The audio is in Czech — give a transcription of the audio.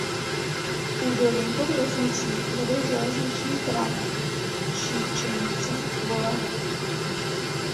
Údolím pod vesnicí vede železniční trať Číčenice–Volary.